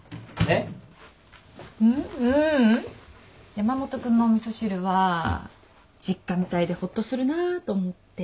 山本君のお味噌汁は実家みたいでほっとするなと思って。